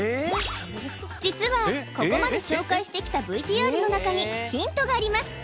実はここまで紹介してきたＶＴＲの中にヒントがあります